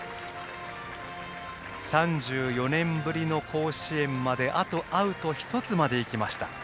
３４年ぶりの甲子園まであとアウト１つまでいきました。